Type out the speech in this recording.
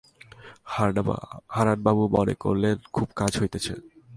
হারানবাবু মনে করিলেন, খুব কাজ হইতেছে।